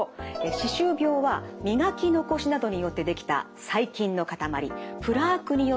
歯周病は磨き残しなどによって出来た細菌の塊プラークによって起こります。